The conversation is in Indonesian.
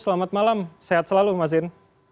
selamat malam sehat selalu mas zain